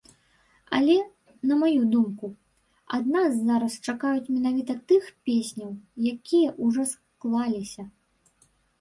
Але, на маю думку, ад нас зараз чакаюць менавіта тых песняў, якія ўжо склаліся.